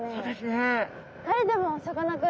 えでもさかなクン。